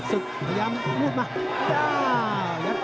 ติดตามยังน้อยกว่า